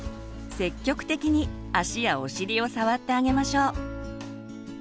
積極的に足やお尻を触ってあげましょう。